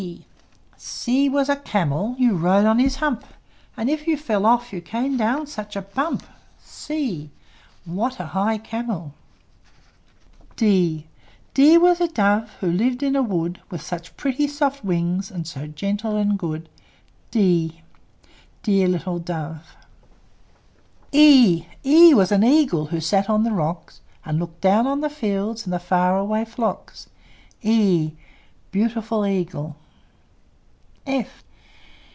C C was a camel: You rode on his hump; And if you fell off, You came down such a bump! c! What a high camel! D D was a dove, Who lived in a wood, With such pretty soft wings, And so gentle and good! d! Dear little dove! E E was an eagle, Who sat on the rocks, And looked down on the fields And the far away flocks. e! Beautiful eagle!